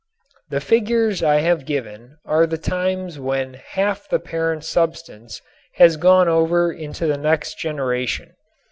The figures I have given are the times when half the parent substance has gone over into the next generation.